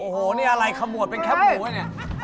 โอ้โหนี่อะไรขมวดเป็นแคปหมูไว้เนี่ย